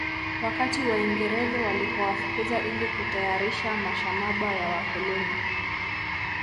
Wakati waingereze walipowafukuza ili kutayarisha mashamaba ya wakoloni